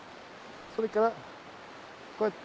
それからこうやって。